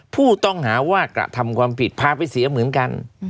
ผู้ต้องหาว่ากระทำความผิดพาไปเสียเหมือนกัน